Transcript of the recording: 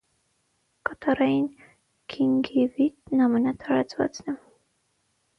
Կատառային գինգիվիտն ամենատարածվածն է։